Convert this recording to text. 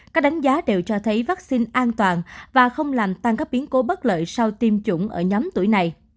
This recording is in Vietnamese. các đánh giá đều cho thấy vaccine an toàn và không làm tăng các biến cố bất lợi sau tiêm chủng ở nhóm tuổi này